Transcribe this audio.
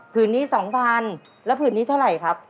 ผืนนี้๒๐๐๐แล้วผืนนี้เท่าไหร่ครับ